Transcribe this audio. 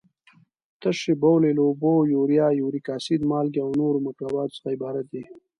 تشې بولې له اوبو، یوریا، یوریک اسید، مالګې او نورو مرکباتو څخه عبارت دي.